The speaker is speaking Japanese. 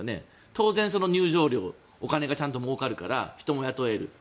当然、入場料お金がちゃんともうかるから人も雇える。